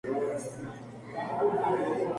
Es como con una salsa rojiza agridulce.